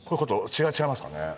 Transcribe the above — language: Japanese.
違いますかね。